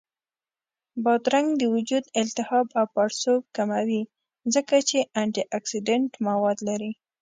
بادرنګ د وجود التهاب او پړسوب کموي، ځکه چې انټياکسیدنټ مواد لري